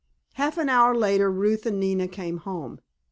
Half an hour later Ruth and Nina came home.